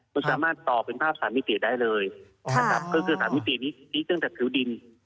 มันสามารถต่อเป็นภาพสามมิติได้เลยคือสามมิตินี้ก็จะจากผิวดิน